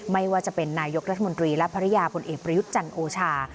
ไม่ว่าจะเป็นนายกรัฐมนตรีและภรรยาผลเอกประยุทธ์จันทร์โอชา